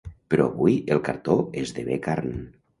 Però avui el cartó esdevé carn.